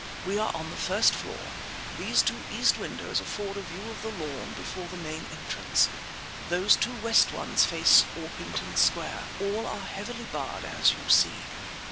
We are on the first floor; these two east windows afford a view of the lawn before the main entrance; those two west ones face Orpington Square; all are heavily barred as you see.